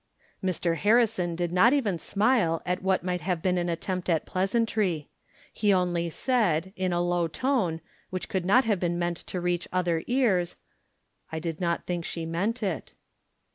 Mr. Harrison did not even smile at what might have been an attempt at pleasantry. He only said, in a low tone, which could not have been meant to reach other ears :" I did not think she meant it."